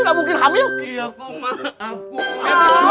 kamu sih cari masalah